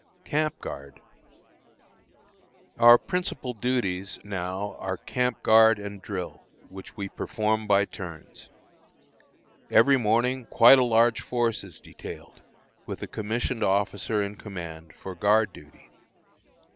CAMP GUARD. Our principal duties now are camp guard and drill, which we perform by turns. Every morning quite a large force is detailed, with a commissioned officer in command, for guard duty.